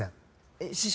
えっ師匠？